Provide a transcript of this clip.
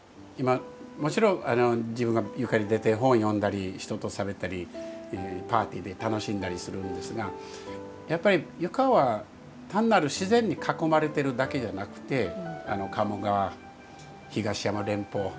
もちろん自分が床に出て本を読んだり人としゃべったりパーティーで楽しんだりするんですがやっぱり床は単なる自然に囲まれてるだけじゃなくて鴨川東山連峰